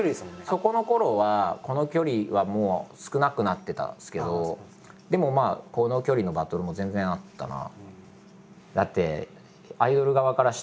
そこのころはこの距離はもう少なくなってたんですけどでもこの距離のバトルも全然あったなあ。